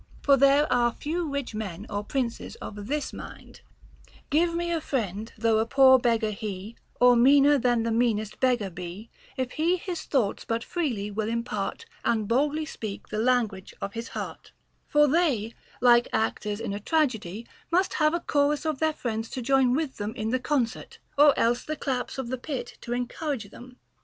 For there are few rich men or princes of this mind: Give me a friend, though a poor beggar he, Or meaner than the meanest beggar be, If he his thoughts but freely will impart, And boldly speak the language of his heart ;t for they, like actors in a tragedy, must have a cborus of their friends to join with them in the concert, or else the * II. XI V. 195. t From the Ino of Euripides, Frag. 41G. 132 HOW TO KNOW Λ FLATTERER claps of the pit to encourage them.